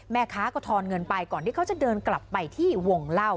แม่ค้าก็ทอนเงินไปก่อนที่เขาจะเดินกลับไปที่วงเล่า